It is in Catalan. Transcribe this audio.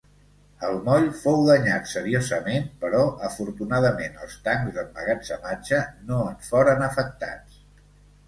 El moll fou danyat seriosament, però afortunadament els tancs d'emmagatzematge no en foren afectats.